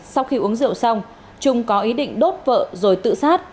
sau khi uống rượu xong trung có ý định đốt vợ rồi tự sát